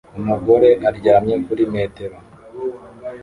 Umugore aryamye kuri metero